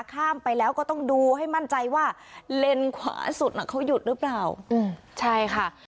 ข้ามไปแล้วก็ต้องดูให้มั่นใจว่าเลนขวาสุดน่ะเขาหยุดหรือเปล่าใช่ค่ะ